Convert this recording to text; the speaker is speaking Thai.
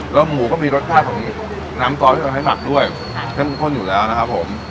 แล้วหมูก็มีรสชาติของน้ำซอสที่เราใช้หมักด้วยเข้มข้นอยู่แล้วนะครับผม